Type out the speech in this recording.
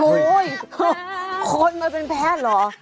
โอ๊ยคนมันเป็นแพ้หรอ